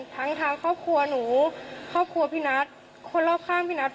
ทั้งทางครอบครัวหนูครอบครัวพี่นัทคนรอบข้างพี่นัท